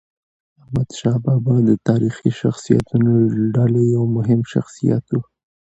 احمدشاه بابا د تاریخي شخصیتونو له ډلې یو مهم شخصیت و.